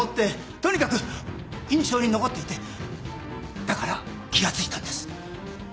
とにかく印象に残っていてだから気が付いたんです。